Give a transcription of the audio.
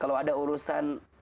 kalau ada urusan